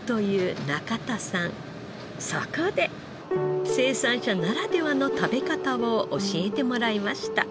そこで生産者ならではの食べ方を教えてもらいました。